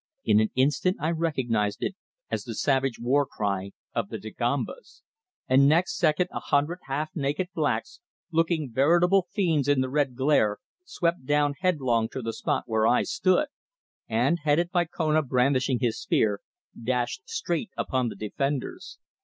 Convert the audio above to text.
In an instant I recognised it as the savage war cry of the Dagombas, and next second a hundred half naked blacks, looking veritable fiends in the red glare, swept down headlong to the spot where I stood and, headed by Kona brandishing his spear, dashed straight upon the defenders.